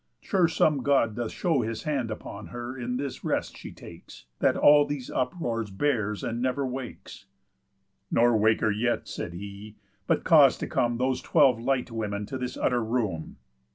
Sure some God doth show His hand upon her in this rest she takes, That all these uproars bears and never wakes." "Nor wake her yet," said he, "but cause to come Those twelve light women to this utter room."